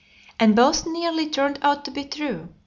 And both nearly turned out to be true.